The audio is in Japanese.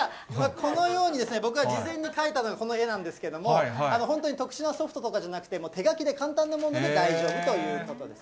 このように、僕が事前に描いたのが、この絵なんですけれども、本当に特殊なソフトとかじゃなくて、もう手書きで、簡単なもので大丈夫ということです。